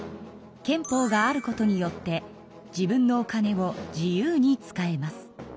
憲法があることによって自分のお金を自由に使えます。